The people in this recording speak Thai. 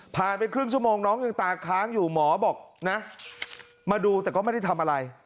ไปครึ่งชั่วโมงน้องยังตาค้างอยู่หมอบอกนะมาดูแต่ก็ไม่ได้ทำอะไร